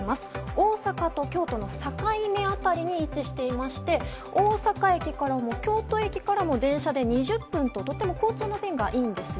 大阪と京都の境目辺りに位置していまして大阪駅からも京都駅からも電車で２０分と交通の便がとてもいいんです。